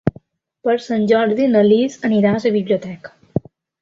Per Sant Jordi na Lis anirà a la biblioteca.